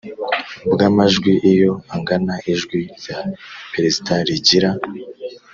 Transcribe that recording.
bw amajwi Iyo angana ijwi rya Perezida rigira